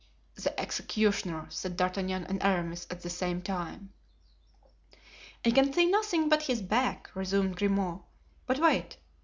"The executioner," said D'Artagnan and Aramis at the same time. "I can see nothing but his back," resumed Grimaud. "But wait.